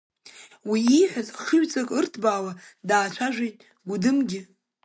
Уи ииҳәаз ахшыҩҵак ырҭбаауа даацәажәеит Гәыдымгьы…